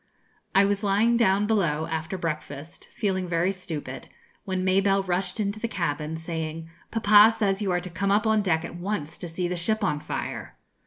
I was lying down, below, after breakfast, feeling very stupid, when Mabelle rushed into the cabin, saying, 'Papa says you are to come up on deck at once, to see the ship on fire.'